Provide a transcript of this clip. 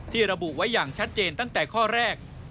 ระบุไว้อย่างชัดเจนตั้งแต่ข้อแรก